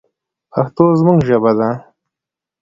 پښتو زموږ ژبه ده